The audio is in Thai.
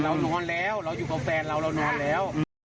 เรานอนแล้วเราอยู่กับแฟนเราเรานอนแล้ว